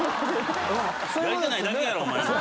やりたないだけやろお前。